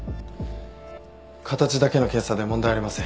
形だけの検査で問題ありません。